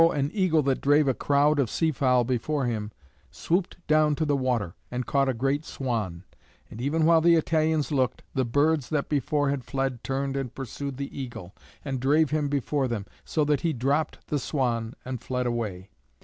an eagle that drave a crowd of sea fowl before him, swooped down to the water, and caught a great swan; and even while the Italians looked, the birds that before had fled turned and pursued the eagle, and drave him before them, so that he dropped the swan and fled away.